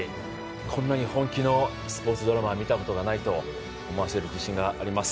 こんなに本気のスポーツドラマは見たことがないと思わせる自信があります。